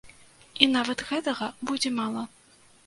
І нават гэтага будзе мала.